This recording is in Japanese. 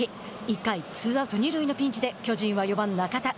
１回、ツーアウト、二塁のピンチで、巨人は４番中田。